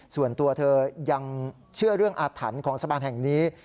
ส่วนตัวเธอยังเชื่อเรื่องอาถรรพ์ของสะพานแห่งนี้